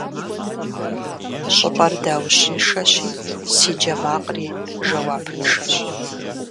ЩӀыпӀэр даущыншэщи, си джэ макъри жэуапыншэщ.